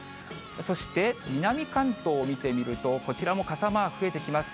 そして南関東を見てみると、こちらも傘マーク増えてきます。